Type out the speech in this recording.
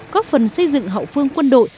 góp phần xây dựng hậu phương quân đội